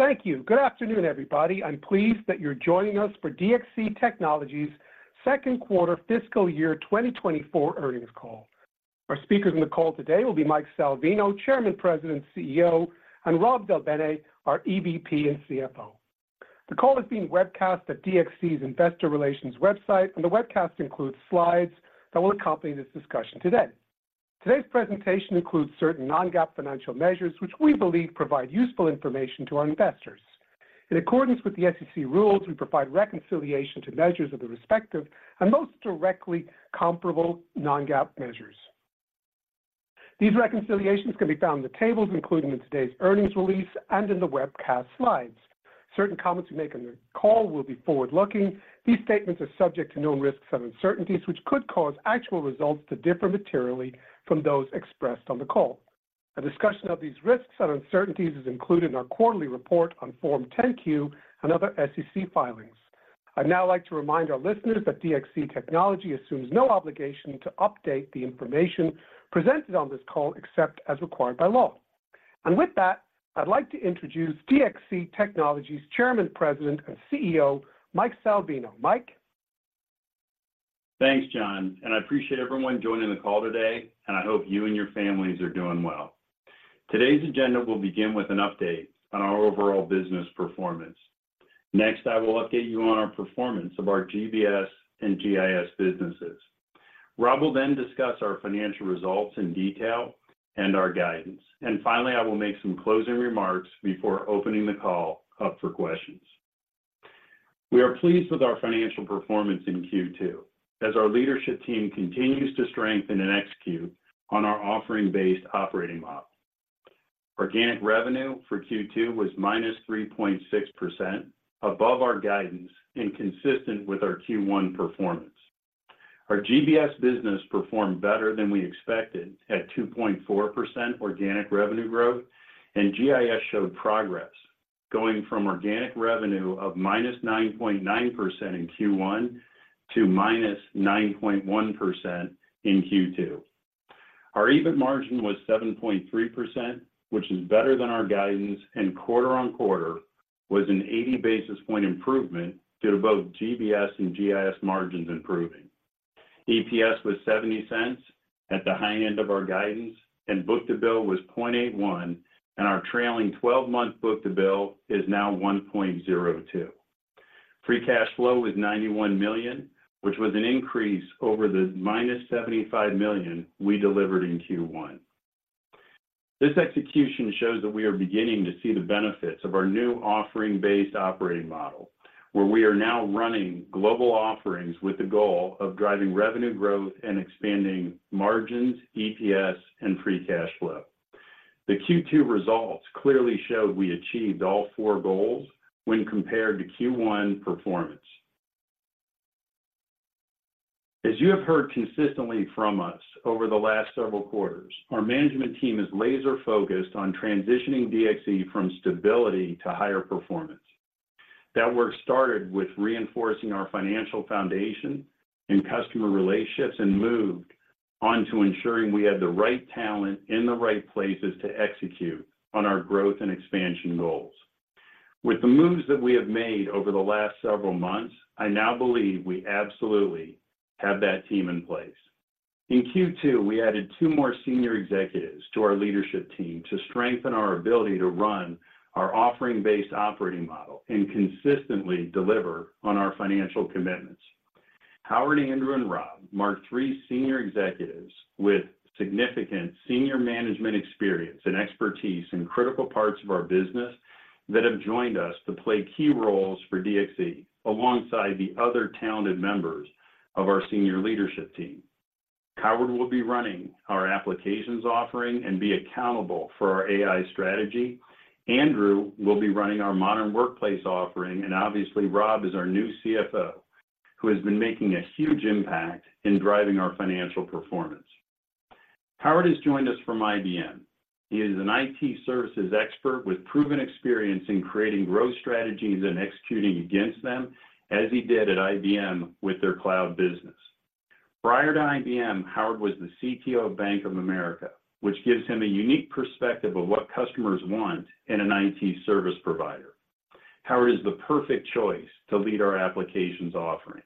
Thank you. Good afternoon, everybody. I'm pleased that you're joining us for DXC Technology's second quarter fiscal year 2024 earnings call. Our speakers on the call today will be Mike Salvino, Chairman, President, and CEO, and Rob DelBene, our EVP and CFO. The call is being webcast at DXC's Investor Relations website, and the webcast includes slides that will accompany this discussion today. Today's presentation includes certain non-GAAP financial measures, which we believe provide useful information to our investors. In accordance with the SEC rules, we provide reconciliation to measures of the respective and most directly comparable non-GAAP measures. These reconciliations can be found in the tables included in today's earnings release and in the webcast slides. Certain comments we make on the call will be forward-looking. These statements are subject to known risks and uncertainties, which could cause actual results to differ materially from those expressed on the call. A discussion of these risks and uncertainties is included in our quarterly report on Form 10-Q and other SEC filings. I'd now like to remind our listeners that DXC Technology assumes no obligation to update the information presented on this call, except as required by law. With that, I'd like to introduce DXC Technology's Chairman, President, and CEO, Mike Salvino. Mike? Thanks, John, and I appreciate everyone joining the call today, and I hope you and your families are doing well. Today's agenda will begin with an update on our overall business performance. Next, I will update you on our performance of our GBS and GIS businesses. Rob will then discuss our financial results in detail and our guidance. And finally, I will make some closing remarks before opening the call up for questions. We are pleased with our financial performance in Q2, as our leadership team continues to strengthen and execute on our offering-based operating model. Organic revenue for Q2 was -3.6%, above our guidance and consistent with our Q1 performance. Our GBS business performed better than we expected at 2.4% organic revenue growth, and GIS showed progress, going from organic revenue of -9.9% in Q1 to -9.1% in Q2. Our EBIT margin was 7.3%, which is better than our guidance, and quarter-on-quarter was an 80 basis point improvement due to both GBS and GIS margins improving. EPS was $0.70 at the high end of our guidance, and book-to-bill was 0.81, and our trailing twelve-month book-to-bill is now 1.02. Free cash flow was $91 million, which was an increase over the -$75 million we delivered in Q1. This execution shows that we are beginning to see the benefits of our new offering-based operating model, where we are now running global offerings with the goal of driving revenue growth and expanding margins, EPS, and free cash flow. The Q2 results clearly showed we achieved all four goals when compared to Q1 performance. As you have heard consistently from us over the last several quarters, our management team is laser-focused on transitioning DXC from stability to higher performance. That work started with reinforcing our financial foundation and customer relationships and moved on to ensuring we had the right talent in the right places to execute on our growth and expansion goals. With the moves that we have made over the last several months, I now believe we absolutely have that team in place. In Q2, we added two more senior executives to our leadership team to strengthen our ability to run our offering-based operating model and consistently deliver on our financial commitments. Howard, Andrew, and Rob mark three senior executives with significant senior management experience and expertise in critical parts of our business that have joined us to play key roles for DXC, alongside the other talented members of our senior leadership team. Howard will be running our Applications offering and be accountable for our AI strategy. Andrew will be running our Modern Workplace offering, and obviously, Rob is our new CFO, who has been making a huge impact in driving our financial performance. Howard has joined us from IBM. He is an IT services expert with proven experience in creating growth strategies and executing against them, as he did at IBM with their Cloud business. Prior to IBM, Howard was the CTO of Bank of America, which gives him a unique perspective of what customers want in an IT service provider. Howard is the perfect choice to lead our Applications offering.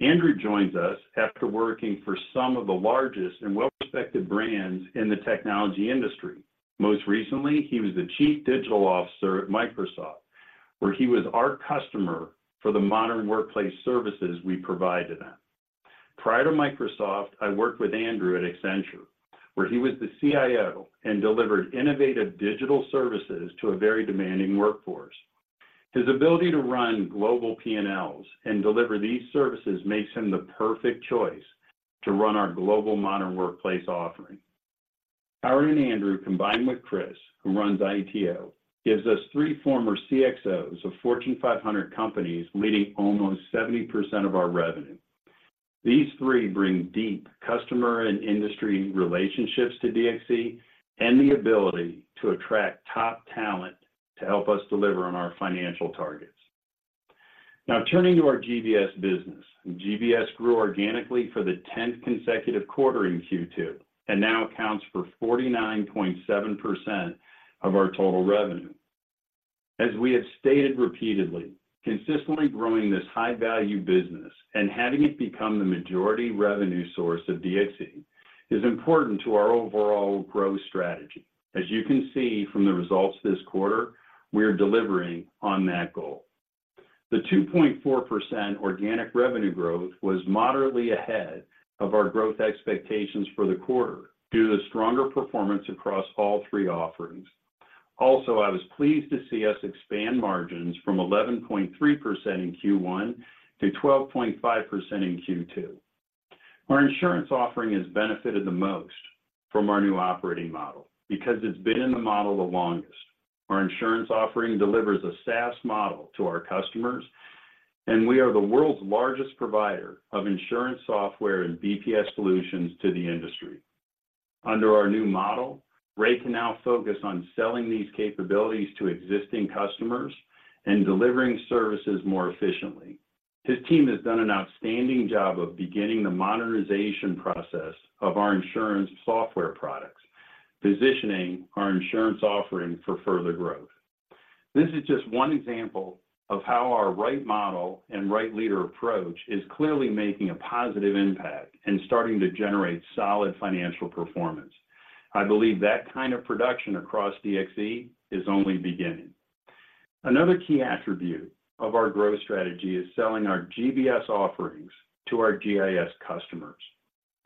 Andrew joins us after working for some of the largest and well-respected brands in the technology industry. Most recently, he was the Chief Digital Officer at Microsoft, where he was our customer for the Modern Workplace services we provide to them. Prior to Microsoft, I worked with Andrew at Accenture, where he was the CIO and delivered innovative digital services to a very demanding workforce. His ability to run global P&Ls and deliver these services makes him the perfect choice to run our global Modern Workplace offering. Howard and Andrew, combined with Chris, who runs ITO, gives us three former CXOs of Fortune 500 companies leading almost 70% of our revenue. These three bring deep customer and industry relationships to DXC and the ability to attract top talent to help us deliver on our financial targets. Now turning to our GBS business. GBS grew organically for the 10th consecutive quarter in Q2, and now accounts for 49.7% of our total revenue. As we have stated repeatedly, consistently growing this high-value business and having it become the majority revenue source of DXC is important to our overall growth strategy. As you can see from the results this quarter, we are delivering on that goal. The 2.4% organic revenue growth was moderately ahead of our growth expectations for the quarter, due to the stronger performance across all three offerings. Also, I was pleased to see us expand margins from 11.3% in Q1 to 12.5% in Q2. Our Insurance offering has benefited the most from our new operating model because it's been in the model the longest. Our Insurance offering delivers a SaaS model to our customers, and we are the world's largest provider of Insurance software and BPS solutions to the industry. Under our new model, Ray can now focus on selling these capabilities to existing customers and delivering services more efficiently. His team has done an outstanding job of beginning the modernization process of our Insurance software products, positioning our Insurance offering for further growth. This is just one example of how our right model and right leader approach is clearly making a positive impact and starting to generate solid financial performance. I believe that kind of production across DXC is only beginning. Another key attribute of our growth strategy is selling our GBS offerings to our GIS customers.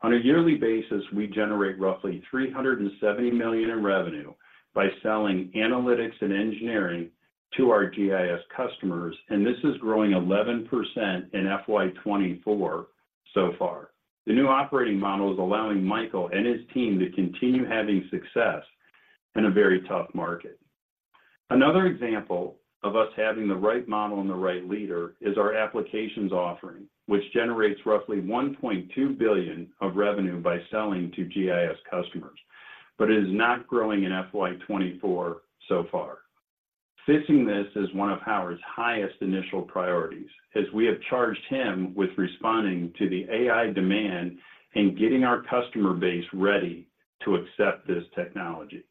On a yearly basis, we generate roughly $370 million in revenue by selling Analytics and Engineering to our GIS customers, and this is growing 11% in FY 2024 so far. The new operating model is allowing Michael and his team to continue having success in a very tough market. Another example of us having the right model and the right leader is our Applications offering, which generates roughly $1.2 billion of revenue by selling to GIS customers, but it is not growing in FY 2024 so far. Fixing this is one of Howard's highest initial priorities, as we have charged him with responding to the AI demand and getting our customer base ready to accept this technology.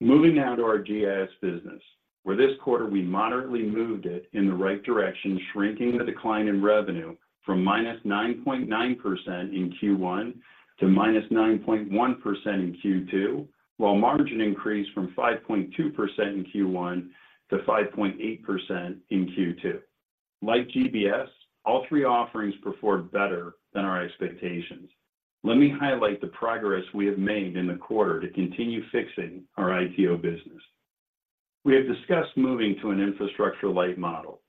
Moving now to our GIS business, where this quarter we moderately moved it in the right direction, shrinking the decline in revenue from -9.9% in Q1 to -9.1% in Q2, while margin increased from 5.2% in Q1 to 5.8% in Q2. Like GBS, all three offerings performed better than our expectations. Let me highlight the progress we have made in the quarter to continue fixing our ITO business. We have discussed moving to an infrastructure-light model.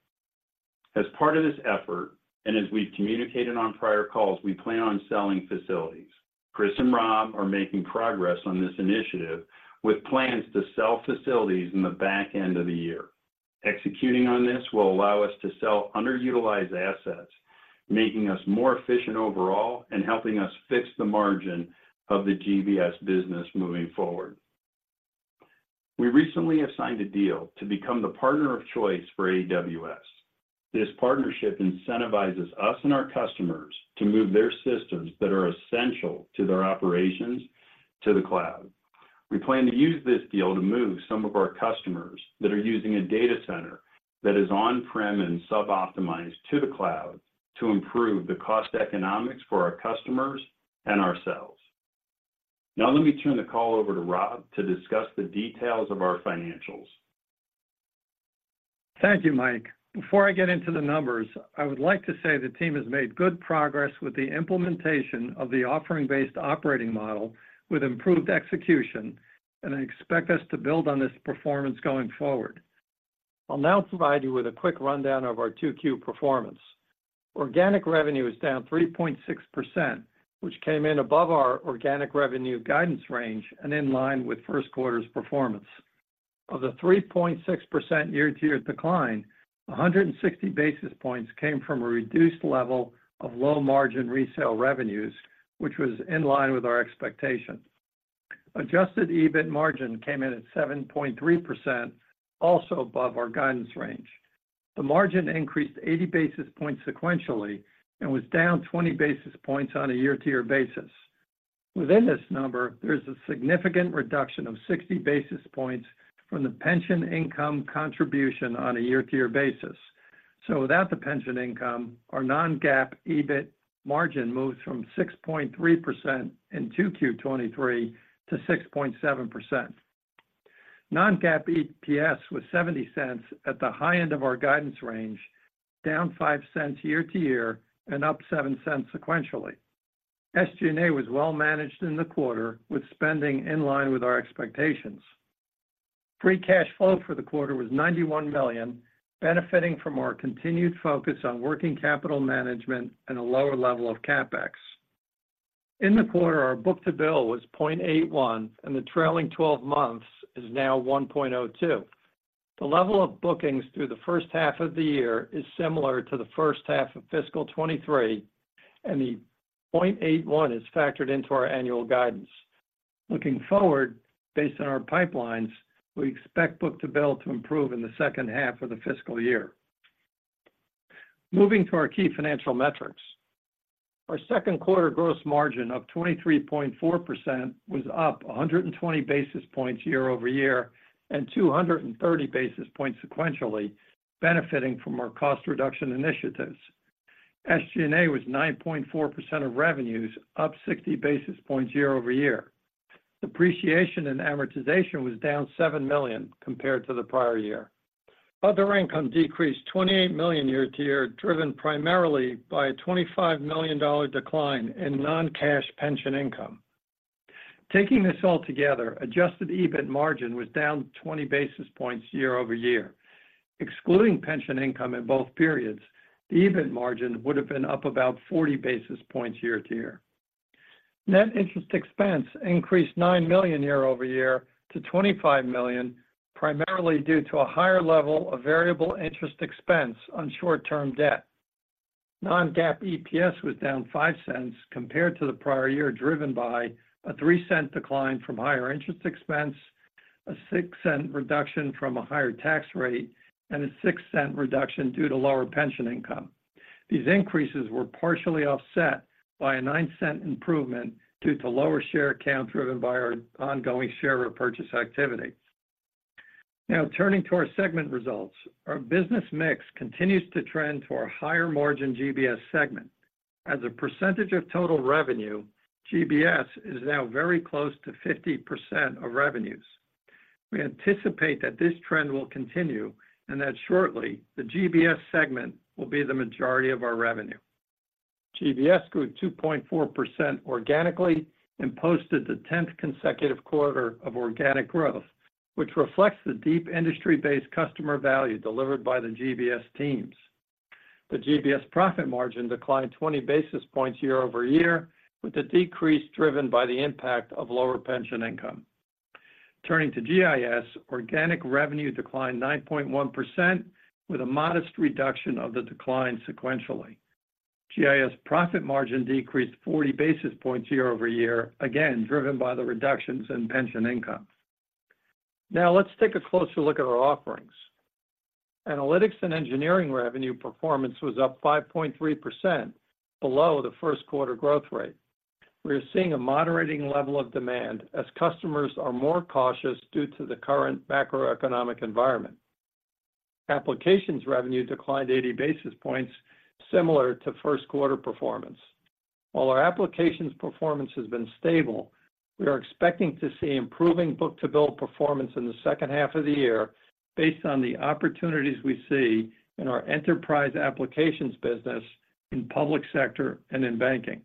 As part of this effort, and as we've communicated on prior calls, we plan on selling facilities. Chris and Rob are making progress on this initiative, with plans to sell facilities in the back end of the year. Executing on this will allow us to sell underutilized assets, making us more efficient overall and helping us fix the margin of the GBS business moving forward. We recently have signed a deal to become the partner of choice for AWS. This partnership incentivizes us and our customers to move their systems that are essential to their operations to the Cloud. We plan to use this deal to move some of our customers that are using a data center that is on-prem and sub-optimized to the Cloud to improve the cost economics for our customers and ourselves. Now, let me turn the call over to Rob to discuss the details of our financials. Thank you, Mike. Before I get into the numbers, I would like to say the team has made good progress with the implementation of the offering-based operating model with improved execution, and I expect us to build on this performance going forward. I'll now provide you with a quick rundown of our Q2 performance. Organic revenue is down 3.6%, which came in above our organic revenue guidance range and in line with first quarter's performance. Of the 3.6% year-to-year decline, 160 basis points came from a reduced level of low-margin resale revenues, which was in line with our expectations. Adjusted EBIT margin came in at 7.3%, also above our guidance range. The margin increased 80 basis points sequentially and was down 20 basis points on a year-to-year basis. Within this number, there is a significant reduction of 60 basis points from the pension income contribution on a year-over-year basis. So without the pension income, our non-GAAP EBIT margin moves from 6.3% in 2Q23 to 6.7%. Non-GAAP EPS was $0.70 at the high end of our guidance range, down $0.05 year-over-year, and up $0.07 sequentially. SG&A was well managed in the quarter, with spending in line with our expectations. Free cash flow for the quarter was $91 million, benefiting from our continued focus on working capital management and a lower level of CapEx. In the quarter, our book-to-bill was 0.81, and the trailing twelve months is now 1.02. The level of bookings through the first half of the year is similar to the first half of fiscal 2023, and the 0.81 is factored into our annual guidance. Looking forward, based on our pipelines, we expect book-to-bill to improve in the second half of the fiscal year. Moving to our key financial metrics. Our second quarter gross margin of 23.4% was up 120 basis points year-over-year, and 230 basis points sequentially, benefiting from our cost reduction initiatives. SG&A was 9.4% of revenues, up 60 basis points year-over-year. Depreciation and amortization was down $7 million compared to the prior year. Other income decreased $28 million year-over-year, driven primarily by a $25 million decline in non-cash pension income. Taking this all together, adjusted EBIT margin was down 20 basis points year-over-year. Excluding pension income in both periods, the EBIT margin would have been up about 40 basis points year-over-year. Net interest expense increased $9 million year-over-year to $25 million, primarily due to a higher level of variable interest expense on short-term debt. Non-GAAP EPS was down $0.05 compared to the prior year, driven by a $0.03 decline from higher interest expense, a $0.06 reduction from a higher tax rate, and a $0.06 reduction due to lower pension income. These increases were partially offset by a $0.09 improvement due to lower share count driven by our ongoing share repurchase activity. Now, turning to our segment results. Our business mix continues to trend to our higher-margin GBS segment. As a percentage of total revenue, GBS is now very close to 50% of revenues. We anticipate that this trend will continue, and that shortly, the GBS segment will be the majority of our revenue. GBS grew 2.4% organically and posted the 10th consecutive quarter of organic growth, which reflects the deep industry-based customer value delivered by the GBS teams. The GBS profit margin declined 20 basis points year-over-year, with the decrease driven by the impact of lower pension income. Turning to GIS, organic revenue declined 9.1%, with a modest reduction of the decline sequentially. GIS profit margin decreased 40 basis points year-over-year, again, driven by the reductions in pension income. Now, let's take a closer look at our offerings. Analytics and Engineering revenue performance was up 5.3%, below the first quarter growth rate. We are seeing a moderating level of demand as customers are more cautious due to the current macroeconomic environment. Applications revenue declined 80 basis points, similar to first quarter performance. While our Applications performance has been stable, we are expecting to see improving book-to-bill performance in the second half of the year based on the opportunities we see in our enterprise Applications business, in public sector, and in banking.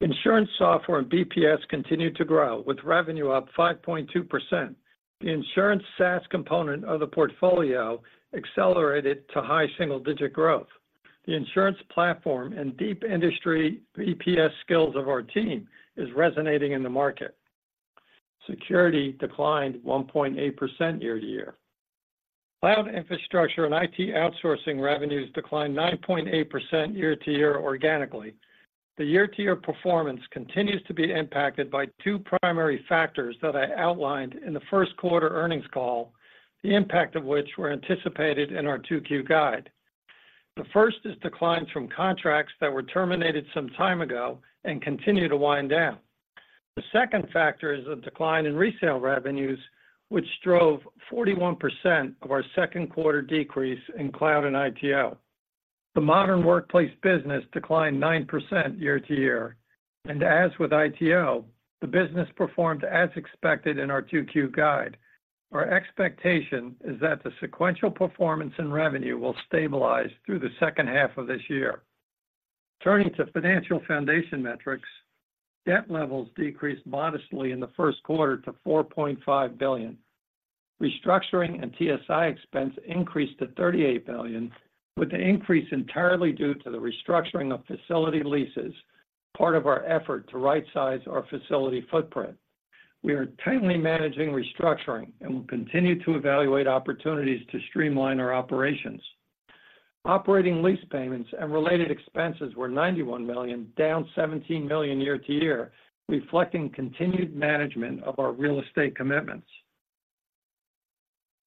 Insurance Software and BPS continued to grow, with revenue up 5.2%. The Insurance SaaS component of the portfolio accelerated to high single-digit growth. The Insurance platform and deep industry BPS skills of our team is resonating in the market. Security declined 1.8% year-to-year. Cloud Infrastructure and IT Outsourcing revenues declined 9.8% year-to-year organically. The year-to-year performance continues to be impacted by two primary factors that I outlined in the first quarter earnings call, the impact of which were anticipated in our 2Q guide. The first is declines from contracts that were terminated some time ago and continue to wind down. The second factor is a decline in resale revenues, which drove 41% of our second quarter decrease in Cloud and ITO. The Modern Workplace business declined 9% year-to-year, and as with ITO, the business performed as expected in our 2Q guide. Our expectation is that the sequential performance in revenue will stabilize through the second half of this year. Turning to financial foundation metrics, debt levels decreased modestly in the first quarter to $4.5 billion. Restructuring and TSI expense increased to $38 million, with the increase entirely due to the restructuring of facility leases, part of our effort to rightsize our facility footprint. We are tightly managing restructuring and will continue to evaluate opportunities to streamline our operations. Operating lease payments and related expenses were $91 million, down $17 million year-over-year, reflecting continued management of our real estate commitments.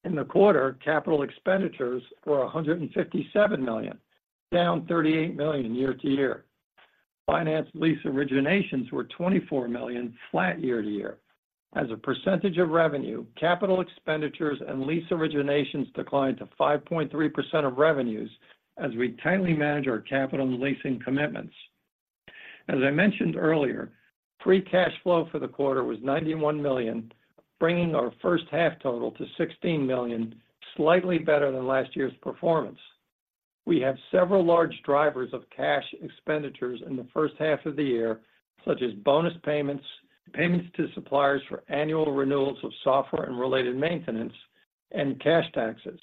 In the quarter, capital expenditures were $157 million, down $38 million year-over-year. Finance lease originations were $24 million, flat year-over-year. As a percentage of revenue, capital expenditures and lease originations declined to 5.3% of revenues as we tightly manage our capital and leasing commitments. As I mentioned earlier, free cash flow for the quarter was $91 million, bringing our first half total to $16 million, slightly better than last year's performance. We have several large drivers of cash expenditures in the first half of the year, such as bonus payments, payments to suppliers for annual renewals of software and related maintenance, and cash taxes.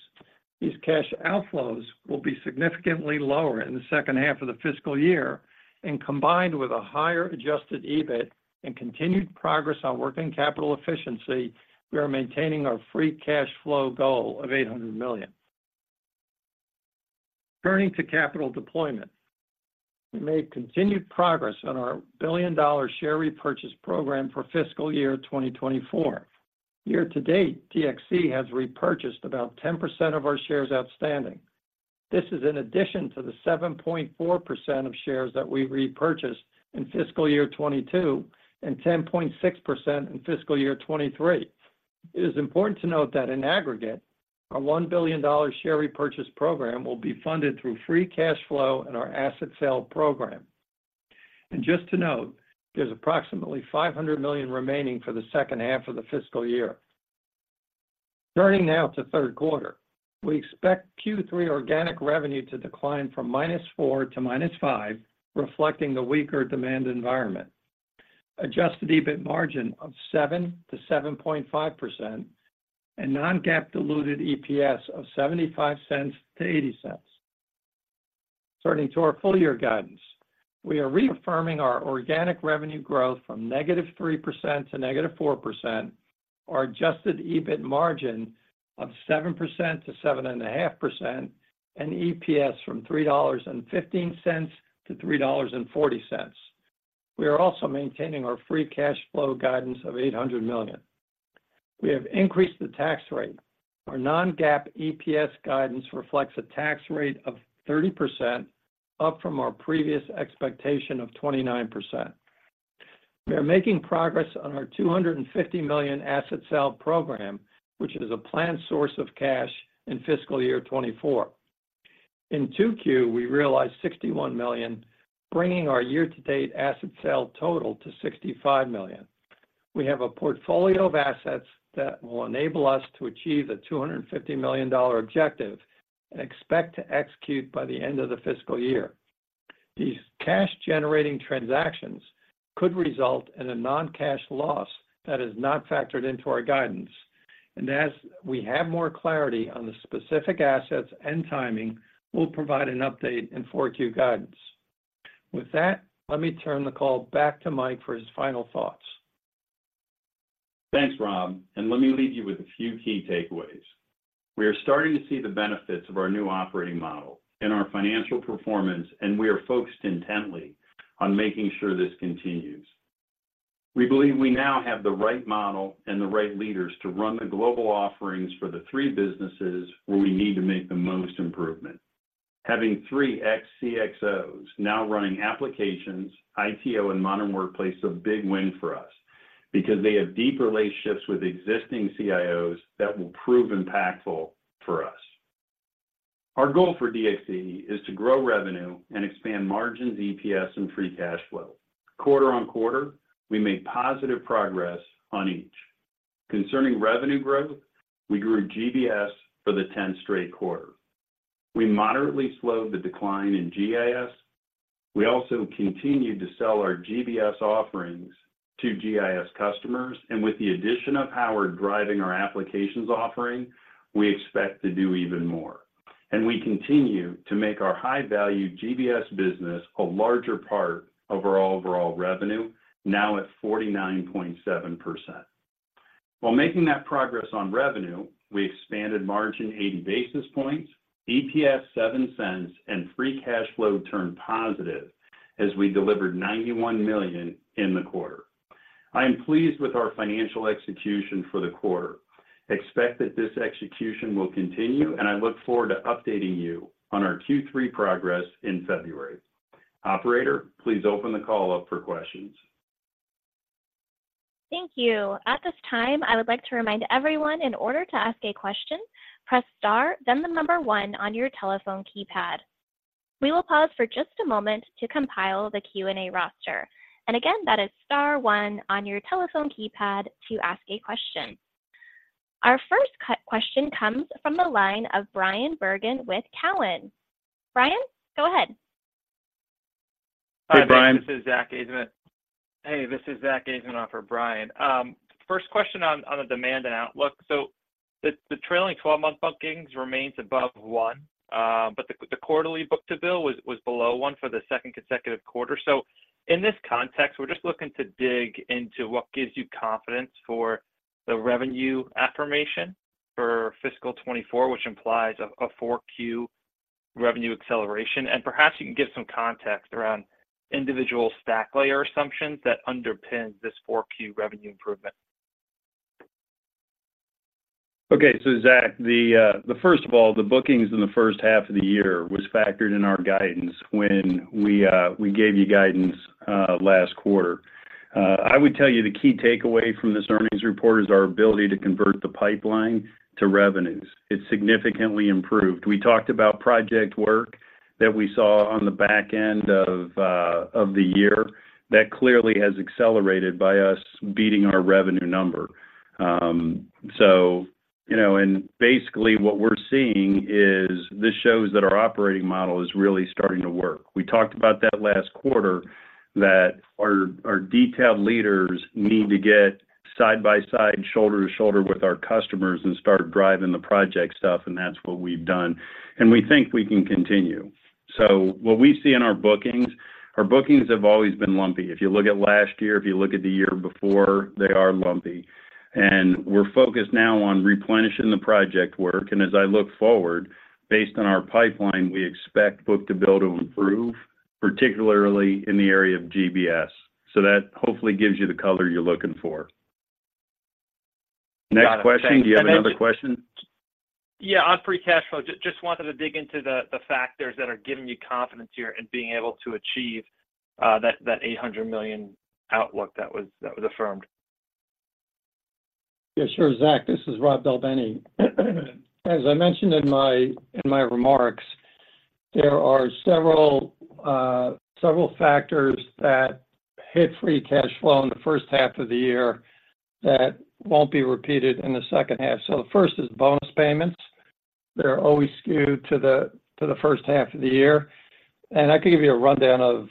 These cash outflows will be significantly lower in the second half of the fiscal year, and combined with a higher Adjusted EBIT and continued progress on working capital efficiency, we are maintaining our Free Cash Flow goal of $800 million... Turning to capital deployment. We made continued progress on our billion-dollar share repurchase program for fiscal year 2024. Year to date, DXC has repurchased about 10% of our shares outstanding. This is in addition to the 7.4% of shares that we repurchased in fiscal year 2022, and 10.6% in fiscal year 2023. It is important to note that in aggregate, our $1 billion share repurchase program will be funded through free cash flow and our asset sale program. Just to note, there's approximately $500 million remaining for the second half of the fiscal year. Turning now to third quarter. We expect Q3 organic revenue to decline from -4% to -5%, reflecting the weaker demand environment. Adjusted EBIT margin of 7%-7.5% and non-GAAP diluted EPS of $0.75-$0.80. Turning to our full year guidance, we are reaffirming our organic revenue growth from -3% to -4%, our adjusted EBIT margin of 7%-7.5%, and EPS from $3.15 to $3.40. We are also maintaining our free cash flow guidance of $800 million. We have increased the tax rate. Our non-GAAP EPS guidance reflects a tax rate of 30%, up from our previous expectation of 29%. We are making progress on our $250 million asset sale program, which is a planned source of cash in fiscal year 2024. In 2Q, we realized $61 million, bringing our year-to-date asset sale total to $65 million. We have a portfolio of assets that will enable us to achieve the $250 million objective and expect to execute by the end of the fiscal year. These cash-generating transactions could result in a non-cash loss that is not factored into our guidance, and as we have more clarity on the specific assets and timing, we'll provide an update in 4Q guidance. With that, let me turn the call back to Mike for his final thoughts. Thanks, Rob, and let me leave you with a few key takeaways. We are starting to see the benefits of our new operating model in our financial performance, and we are focused intently on making sure this continues. We believe we now have the right model and the right leaders to run the global offerings for the three businesses where we need to make the most improvement. Having three ex-CXOs now running Applications, ITO, and Modern Workplace is a big win for us because they have deep relationships with existing CIOs that will prove impactful for us. Our goal for DXC is to grow revenue and expand margins, EPS, and free cash flow. Quarter-on-quarter, we made positive progress on each. Concerning revenue growth, we grew GBS for the tenth straight quarter. We moderately slowed the decline in GIS. We also continued to sell our GBS offerings to GIS customers, and with the addition of Howard driving our Applications offering, we expect to do even more. We continue to make our high-value GBS business a larger part of our overall revenue, now at 49.7%. While making that progress on revenue, we expanded margin 80 basis points, EPS $0.07, and free cash flow turned positive as we delivered $91 million in the quarter. I am pleased with our financial execution for the quarter. Expect that this execution will continue, and I look forward to updating you on our Q3 progress in February. Operator, please open the call up for questions. Thank you. At this time, I would like to remind everyone, in order to ask a question, press star, then the number one on your telephone keypad. We will pause for just a moment to compile the Q&A roster. And again, that is star one on your telephone keypad to ask a question. Our first question comes from the line of Bryan Bergin with TD Cowen. Bryan, go ahead. Hi, Bryan. This is Zack Ajzenman in for Bryan. First question on the demand and outlook. So the trailing twelve-month bookings remains above 1, but the quarterly book-to-bill was below 1 for the second consecutive quarter. So in this context, we're just looking to dig into what gives you confidence for the revenue affirmation for fiscal 2024, which implies a 4Q revenue acceleration. And perhaps you can give some context around individual stack layer assumptions that underpin this 4Q revenue improvement? Okay. So, Zack, the first of all, the bookings in the first half of the year was factored in our guidance when we gave you guidance last quarter. I would tell you the key takeaway from this earnings report is our ability to convert the pipeline to revenues. It significantly improved. We talked about project work that we saw on the back end of the year. That clearly has accelerated by us beating our revenue number. So you know, and basically, what we're seeing is this shows that our operating model is really starting to work. We talked about that last quarter, that our detailed leaders need to get side by side, shoulder to shoulder with our customers and start driving the project stuff, and that's what we've done, and we think we can continue. What we see in our bookings, our bookings have always been lumpy. If you look at last year, if you look at the year before, they are lumpy. We're focused now on replenishing the project work. As I look forward, based on our pipeline, we expect book-to-bill to improve, particularly in the area of GBS. That hopefully gives you the color you're looking for. Got it. Thank you. Next question. Do you have another question? Yeah, on free cash flow, just wanted to dig into the factors that are giving you confidence here in being able to achieve that $800 million outlook that was affirmed? Yeah, sure, Zach, this is Rob DelBene. As I mentioned in my, in my remarks, there are several, several factors that hit free cash flow in the first half of the year that won't be repeated in the second half. So the first is bonus payments. They're always skewed to the, to the first half of the year. And I can give you a rundown of,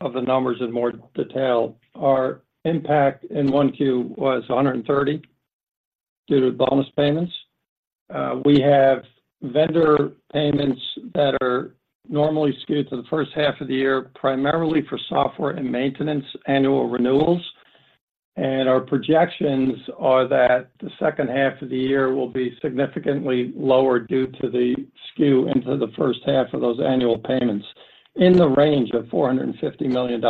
of the numbers in more detail. Our impact in 1Q was $130 million due to bonus payments. We have vendor payments that are normally skewed to the first half of the year, primarily for software and maintenance annual renewals. And our projections are that the second half of the year will be significantly lower due to the skew into the first half of those annual payments in the range of $450 million.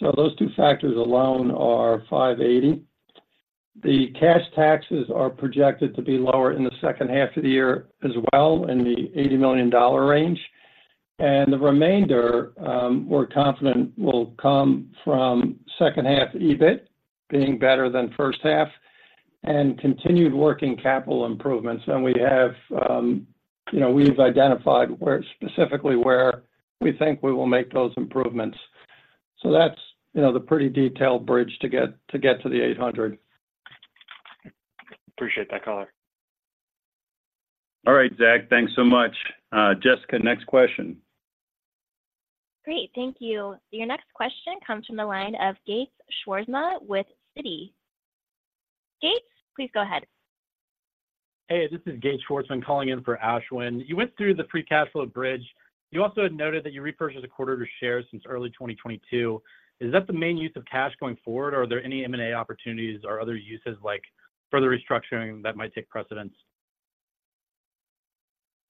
So those two factors alone are $580. The cash taxes are projected to be lower in the second half of the year as well, in the $80 million range. And the remainder, we're confident will come from second half EBIT being better than first half and continued working capital improvements. And we have, you know, we've identified specifically where we think we will make those improvements. So that's, you know, the pretty detailed bridge to get to $800. Appreciate that color. All right, Zach, thanks so much. Jessica, next question. Great, thank you. Your next question comes from the line of Gates Schwarzman with Citi. Gates, please go ahead. Hey, this is Gates Schwarzman, calling in for Ashwin. You went through the free cash flow bridge. You also had noted that you repurchased a quarter of your shares since early 2022. Is that the main use of cash going forward, or are there any M&A opportunities or other uses like further restructuring that might take precedence?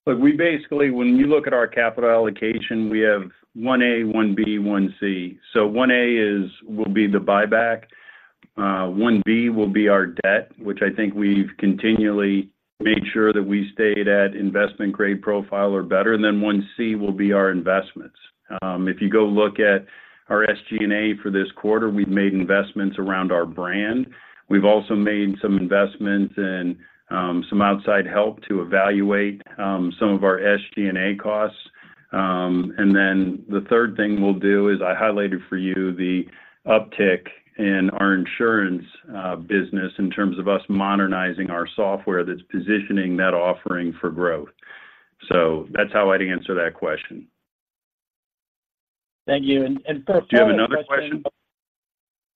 Look, we basically, when you look at our capital allocation, we have one A, one B, one C. So one A is, will be the buyback, one B will be our debt, which I think we've continually made sure that we stayed at investment grade profile or better. And then one C will be our investments. If you go look at our SG&A for this quarter, we've made investments around our brand. We've also made some investments in, some outside help to evaluate, some of our SG&A costs. And then the third thing we'll do is I highlighted for you the uptick in our Insurance business in terms of us modernizing our software that's positioning that offering for growth. So that's how I'd answer that question. Thank you. And so- Do you have another question?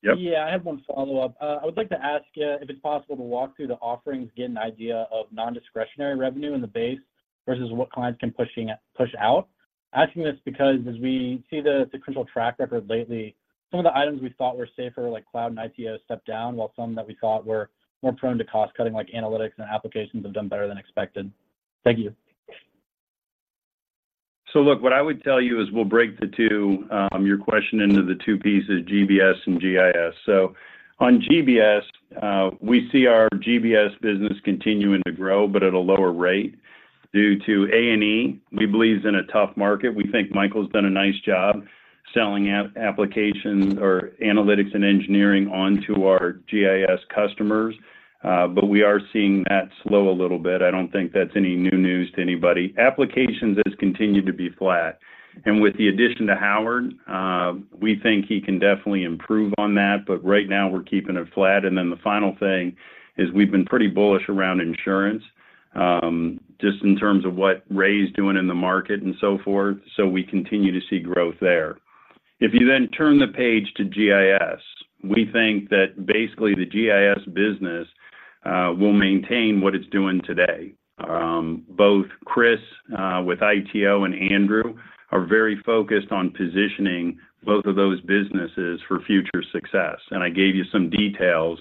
Yep. Yeah, I have one follow-up. I would like to ask you if it's possible to walk through the offerings, get an idea of non-discretionary revenue in the base versus what clients can push out. Asking this because as we see the sequential track record lately, some of the items we thought were safer, like Cloud and ITO, stepped down, while some that we thought were more prone to cost-cutting, like Analytics and Applications, have done better than expected? Thank you. So look, what I would tell you is we'll break the two, your question into the two pieces, GBS and GIS. So on GBS, we see our GBS business continuing to grow, but at a lower rate due to A&E, we believe is in a tough market. We think Michael's done a nice job selling Applications or Analytics and Engineering onto our GIS customers, but we are seeing that slow a little bit. I don't think that's any new news to anybody. Applications has continued to be flat, and with the addition to Howard, we think he can definitely improve on that, but right now, we're keeping it flat. And then the final thing is we've been pretty bullish around Insurance, just in terms of what Ray is doing in the market and so forth. So we continue to see growth there. If you then turn the page to GIS, we think that basically, the GIS business will maintain what it's doing today. Both Chris with ITO and Andrew are very focused on positioning both of those businesses for future success. And I gave you some details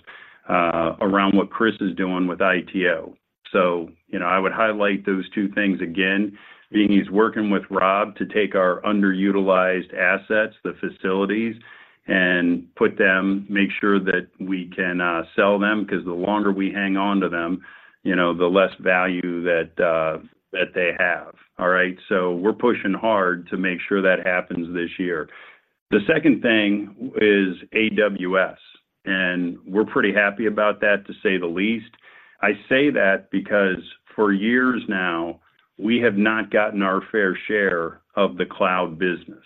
around what Chris is doing with ITO. So, you know, I would highlight those two things again, being he's working with Rob to take our underutilized assets, the facilities, and put them, make sure that we can sell them, because the longer we hang on to them, you know, the less value that that they have. All right? So we're pushing hard to make sure that happens this year. The second thing is AWS, and we're pretty happy about that, to say the least. I say that because for years now, we have not gotten our fair share of the Cloud business.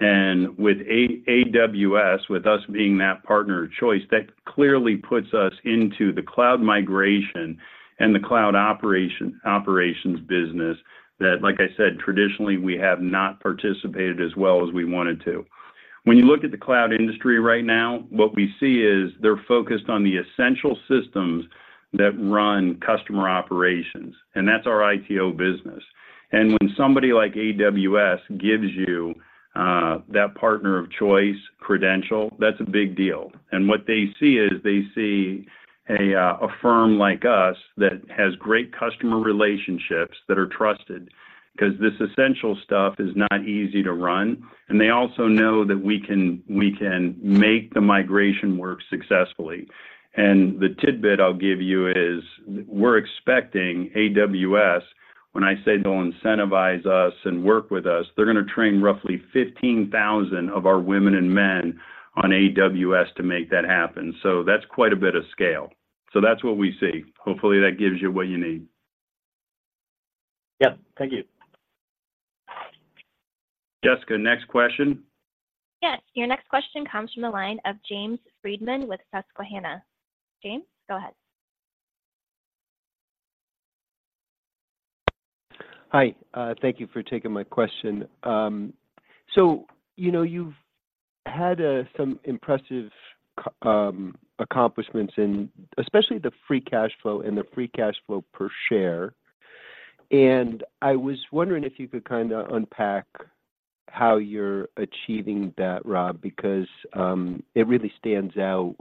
And with AWS, with us being that partner of choice, that clearly puts us into the Cloud migration and the Cloud operations business that, like I said, traditionally, we have not participated as well as we wanted to.... When you look at the Cloud industry right now, what we see is they're focused on the essential systems that run customer operations, and that's our ITO business. And when somebody like AWS gives you that partner of choice credential, that's a big deal. And what they see is, they see a firm like us that has great customer relationships that are trusted, because this essential stuff is not easy to run, and they also know that we can make the migration work successfully. The tidbit I'll give you is we're expecting AWS, when I say they'll incentivize us and work with us, they're gonna train roughly 15,000 of our women and men on AWS to make that happen. That's quite a bit of scale. That's what we see. Hopefully, that gives you what you need. Yep. Thank you. Jessica, next question. Yes. Your next question comes from the line of James Friedman with Susquehanna. James, go ahead. Hi, thank you for taking my question. So, you know, you've had some impressive accomplishments in especially the Free Cash Flow and the Free Cash Flow per share. I was wondering if you could kind of unpack how you're achieving that, Rob, because it really stands out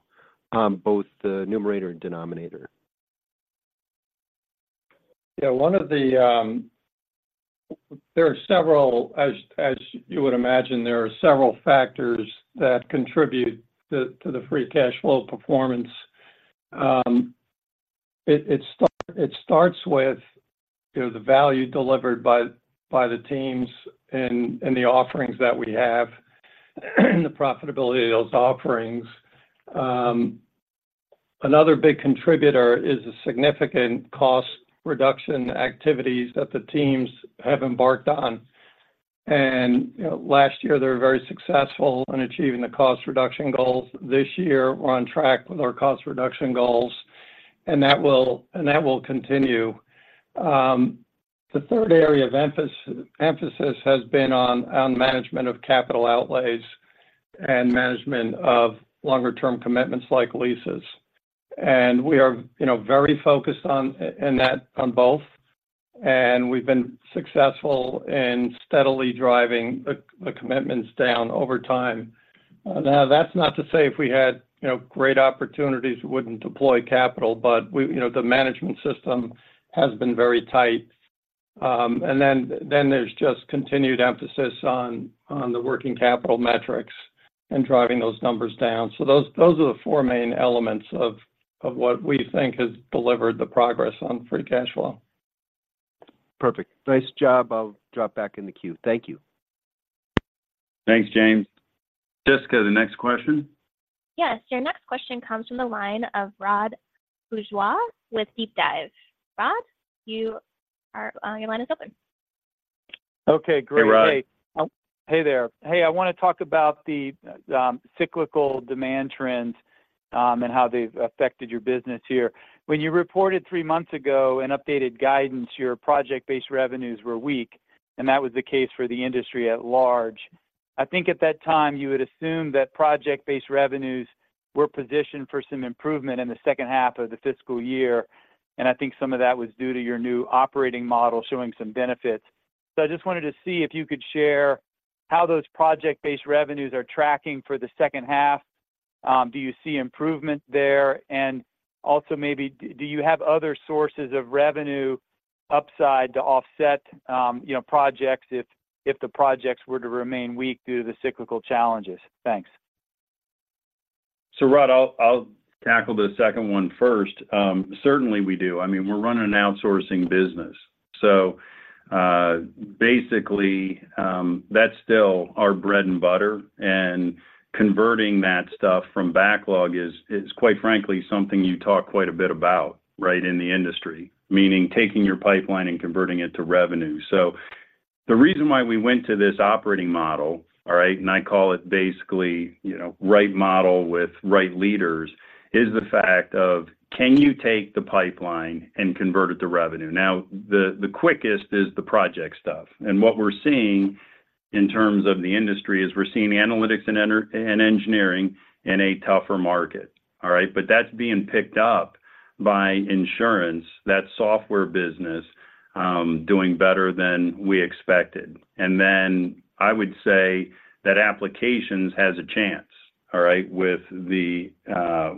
on both the numerator and denominator. Yeah, one of the. There are several, as you would imagine, there are several factors that contribute to the Free Cash Flow performance. It starts with, you know, the value delivered by the teams and the offerings that we have, and the profitability of those offerings. Another big contributor is the significant cost reduction activities that the teams have embarked on. And, you know, last year, they were very successful in achieving the cost reduction goals. This year, we're on track with our cost reduction goals, and that will continue. The third area of emphasis has been on management of capital outlays and management of longer-term commitments like leases. And we are, you know, very focused on that, on both, and we've been successful in steadily driving the commitments down over time. Now, that's not to say if we had, you know, great opportunities, we wouldn't deploy capital, but we, you know, the management system has been very tight. And then there's just continued emphasis on the working capital metrics and driving those numbers down. So those are the four main elements of what we think has delivered the progress on Free Cash Flow. Perfect. Nice job. I'll drop back in the queue. Thank you. Thanks, James. Jessica, the next question? Yes. Your next question comes from the line of Rod Bourgeois with DeepDive. Rod, you are, your line is open. Okay, great. Hey, Rod. Hey there. Hey, I wanna talk about the cyclical demand trends, and how they've affected your business here. When you reported three months ago and updated guidance, your project-based revenues were weak, and that was the case for the industry at large. I think at that time you had assumed that project-based revenues were positioned for some improvement in the second half of the fiscal year, and I think some of that was due to your new operating model showing some benefits. So I just wanted to see if you could share how those project-based revenues are tracking for the second half. Do you see improvement there? And also maybe, do you have other sources of revenue upside to offset, you know, projects if the projects were to remain weak due to the cyclical challenges? Thanks. So, Rod, I'll tackle the second one first. Certainly, we do. I mean, we're running an outsourcing business, so basically, that's still our bread and butter, and converting that stuff from backlog is, quite frankly, something you talk quite a bit about, right, in the industry, meaning taking your pipeline and converting it to revenue. So the reason why we went to this operating model, all right, and I call it basically, you know, right model with right leaders, is the fact of: Can you take the pipeline and convert it to revenue? Now, the quickest is the project stuff. And what we're seeing in terms of the industry is we're seeing Analytics and Engineering in a tougher market, all right? But that's being picked up by Insurance, that software business, doing better than we expected. I would say that Applications has a chance, all right, with the,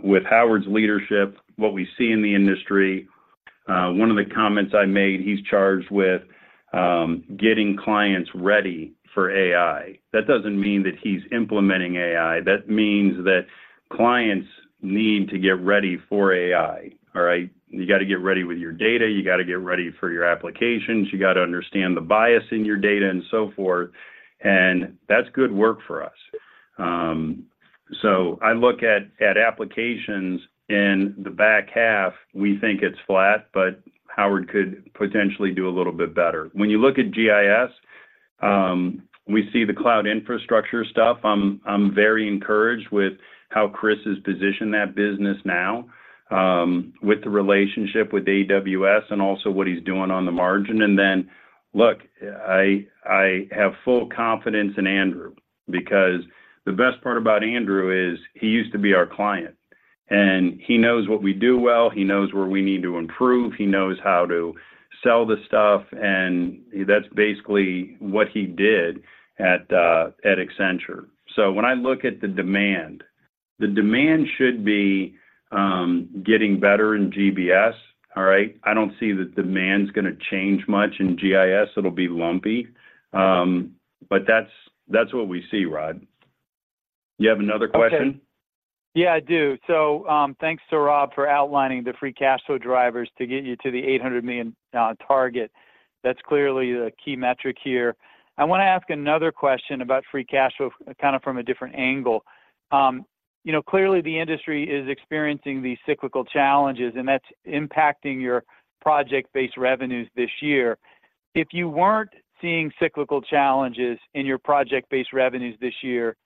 with Howard's leadership, what we see in the industry. One of the comments I made, he's charged with getting clients ready for AI. That doesn't mean that he's implementing AI. That means that clients need to get ready for AI, all right? You got to get ready with your data, you got to get ready for your Applications, you got to understand the bias in your data, and so forth, and that's good work for us. I look at Applications in the back half, we think it's flat, but Howard could potentially do a little bit better. When you look at GIS, we see the Cloud infrastructure stuff. I'm very encouraged with how Chris has positioned that business now, with the relationship with AWS and also what he's doing on the margin. And then, look, I have full confidence in Andrew, because the best part about Andrew is he used to be our client.... And he knows what we do well, he knows where we need to improve, he knows how to sell the stuff, and that's basically what he did at, at Accenture. So when I look at the demand, the demand should be getting better in GBS. All right? I don't see that demand's gonna change much in GIS. It'll be lumpy, but that's, that's what we see, Rod. You have another question? Okay. Yeah, I do. So, thanks to Rob for outlining the free cash flow drivers to get you to the $800 million target. That's clearly a key metric here. I want to ask another question about free cash flow, kind of from a different angle. You know, clearly, the industry is experiencing these cyclical challenges, and that's impacting your project-based revenues this year. If you weren't seeing cyclical challenges in your project-based revenues this year,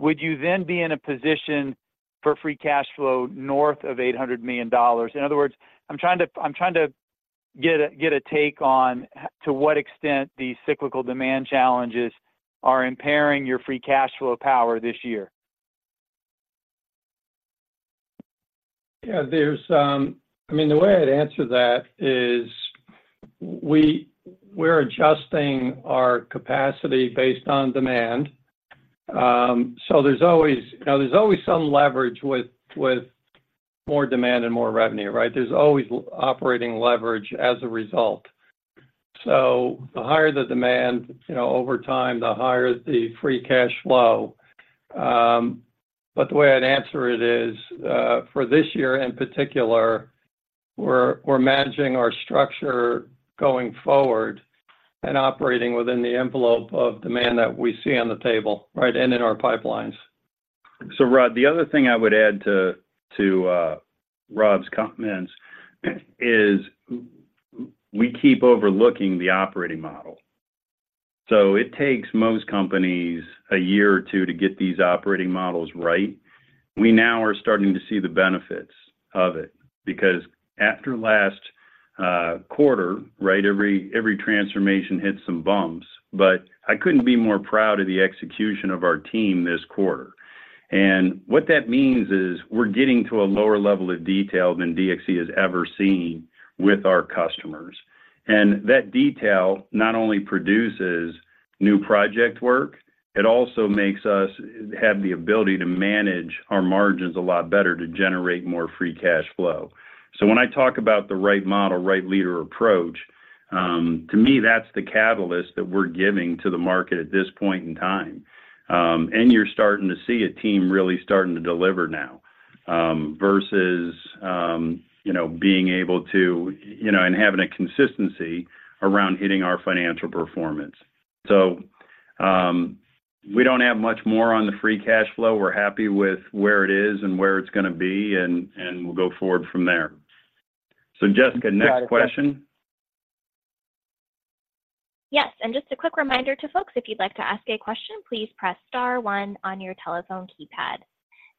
would you then be in a position for free cash flow north of $800 million? In other words, I'm trying to, I'm trying to get a, get a take on, to what extent these cyclical demand challenges are impairing your free cash flow power this year? Yeah, there's... I mean, the way I'd answer that is we're adjusting our capacity based on demand. So there's always, now there's always some leverage with more demand and more revenue, right? There's always operating leverage as a result. So the higher the demand, you know, over time, the higher the free cash flow. But the way I'd answer it is, for this year, in particular, we're managing our structure going forward and operating within the envelope of demand that we see on the table, right, and in our pipelines. So, Rod, the other thing I would add to Rob's comments is we keep overlooking the operating model. So it takes most companies a year or two to get these operating models right. We now are starting to see the benefits of it, because after last quarter, right, every transformation hits some bumps, but I couldn't be more proud of the execution of our team this quarter. And what that means is we're getting to a lower level of detail than DXC has ever seen with our customers. And that detail not only produces new project work, it also makes us have the ability to manage our margins a lot better, to generate more free cash flow. So when I talk about the right model, right leader approach, to me, that's the catalyst that we're giving to the market at this point in time. And you're starting to see a team really starting to deliver now, versus, you know, being able to, you know, and having a consistency around hitting our financial performance. So, we don't have much more on the Free Cash Flow. We're happy with where it is and where it's gonna be, and, and we'll go forward from there. So, Jessica, next question? Yes, and just a quick reminder to folks, if you'd like to ask a question, please press star one on your telephone keypad.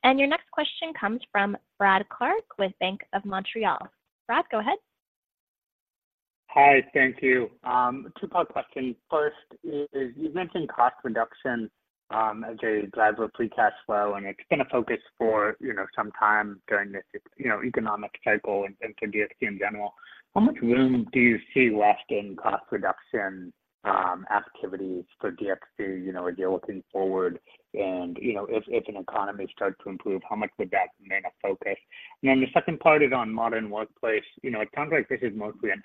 And your next question comes from Brad Clark with Bank of Montreal. Brad, go ahead. Hi, thank you. Two-part question. First, you've mentioned cost reduction as a driver of Free Cash Flow, and it's been a focus for, you know, some time during this, you know, economic cycle and to DXC in general. How much room do you see left in cost reduction activities for DXC? You know, as you're looking forward and, you know, if an economy starts to improve, how much would that remain a focus? And then the second part is on Modern Workplace. You know, it sounds like this is mostly an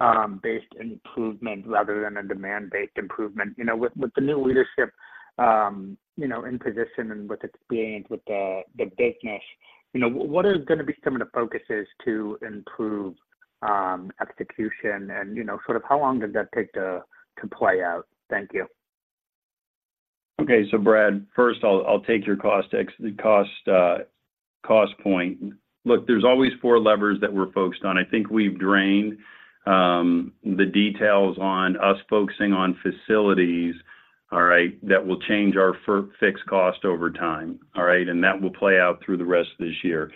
execution-based improvement rather than a demand-based improvement. You know, with the new leadership, you know, in position and with experience with the business, you know, what are gonna be some of the focuses to improve execution? You know, sort of, how long did that take to play out? Thank you. Okay. So Brad, first I'll take your cost point. Look, there's always four levers that we're focused on. I think we've drained the details on us focusing on facilities, all right, that will change our fixed cost over time, all right, and that will play out through the rest of this year.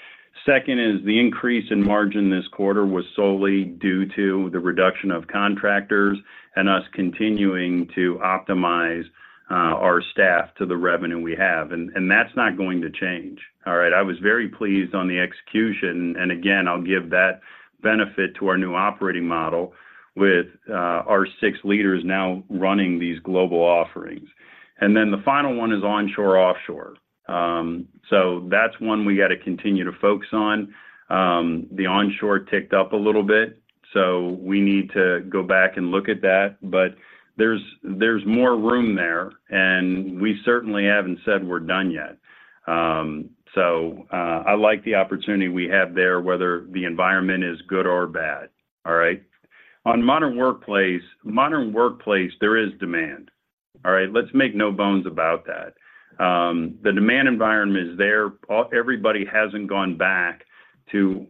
Second is the increase in margin this quarter was solely due to the reduction of contractors and us continuing to optimize our staff to the revenue we have, and that's not going to change. All right. I was very pleased on the execution, and again, I'll give that benefit to our new operating model with our six leaders now running these global offerings. And then the final one is onshore, offshore. So that's one we got to continue to focus on. The onshore ticked up a little bit, so we need to go back and look at that, but there's more room there, and we certainly haven't said we're done yet. I like the opportunity we have there, whether the environment is good or bad, all right? On modern workplace, modern workplace, there is demand, all right? Let's make no bones about that. The demand environment is there. Everybody hasn't gone back to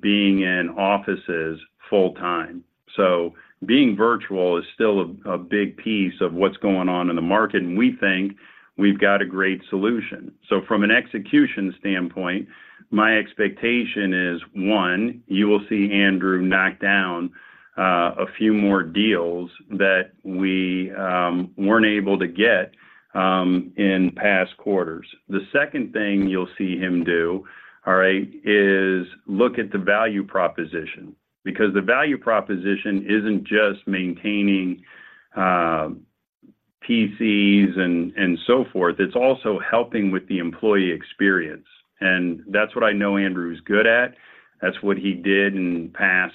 being in offices full-time. So being virtual is still a big piece of what's going on in the market, and we think we've got a great solution. So from an execution standpoint, my expectation is, one, you will see Andrew knock down a few more deals that we weren't able to get in past quarters. The second thing you'll see him do, all right, is look at the value proposition, because the value proposition isn't just maintaining PCs and so forth, it's also helping with the employee experience. And that's what I know Andrew's good at. That's what he did in past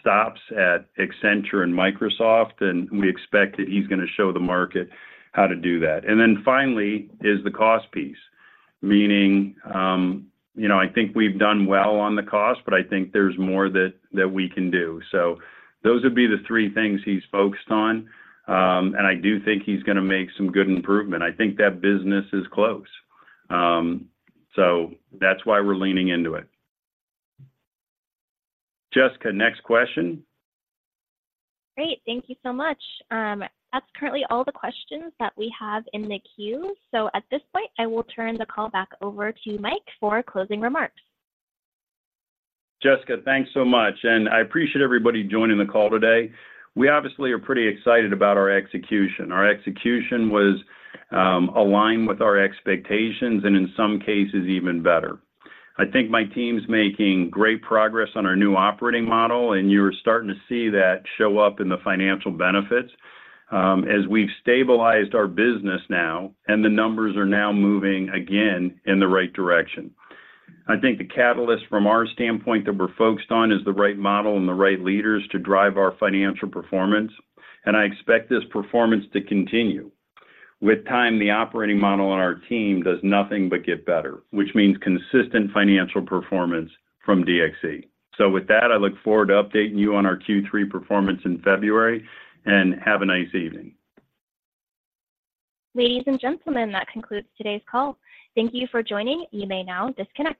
stops at Accenture and Microsoft, and we expect that he's gonna show the market how to do that. And then finally, is the cost piece. Meaning, you know, I think we've done well on the cost, but I think there's more that we can do. So those would be the three things he's focused on, and I do think he's gonna make some good improvement. I think that business is close. So that's why we're leaning into it. Jessica, next question? Great, thank you so much. That's currently all the questions that we have in the queue. So at this point, I will turn the call back over to Mike for closing remarks. Jessica, thanks so much, and I appreciate everybody joining the call today. We obviously are pretty excited about our execution. Our execution was aligned with our expectations, and in some cases, even better. I think my team's making great progress on our new operating model, and you are starting to see that show up in the financial benefits as we've stabilized our business now, and the numbers are now moving again in the right direction. I think the catalyst from our standpoint that we're focused on is the right model and the right leaders to drive our financial performance, and I expect this performance to continue. With time, the operating model on our team does nothing but get better, which means consistent financial performance from DXC. So with that, I look forward to updating you on our Q3 performance in February, and have a nice evening. Ladies and gentlemen, that concludes today's call. Thank you for joining. You may now disconnect.